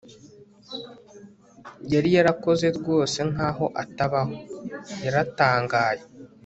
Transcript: yari yarakoze rwose nkaho atabaho. yaratangaye